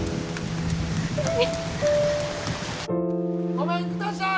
・ごめんください！